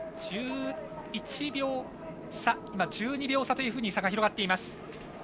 １２秒差というふうに差が広がっています。